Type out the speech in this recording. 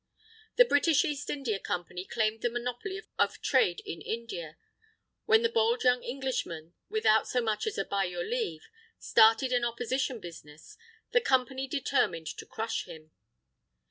The British East India Company claimed the monopoly of trade in India. When the bold young Englishman, without so much as "by your leave," started an opposition business, the Company determined to crush him.